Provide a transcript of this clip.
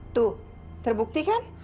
tuh terbukti kan